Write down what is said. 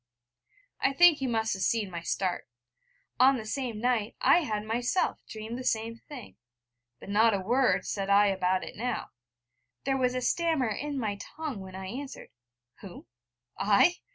I think he must have seen my start: on the same night I had myself dreamed the same thing; but not a word said I about it now. There was a stammer in my tongue when I answered: 'Who? I?